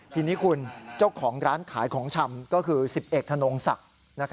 ทีนี้คุณเจ้าของร้านขายของชำก็คือ๑๑ธนงศักดิ์